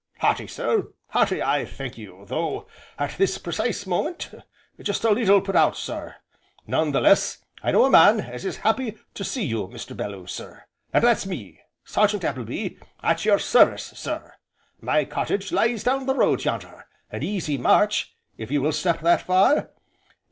"Hearty, sir, hearty I thank you, though, at this precise moment, just a leetle put out, sir. None the less I know a man as is happy to see you, Mr. Bellew, sir, and that's me Sergeant Appleby, at your service, sir. My cottage lies down the road yonder, an easy march if you will step that far?